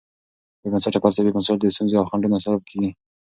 بېبنسټه فلسفي مسایل د ستونزو او خنډونو سبب کېږي.